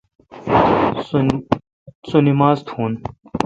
سو نماز تھون۔